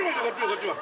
こっちも。